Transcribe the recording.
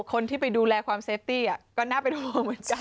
คนที่ไปดูแลความเซฟตี้ก็น่าเป็นห่วงเหมือนกัน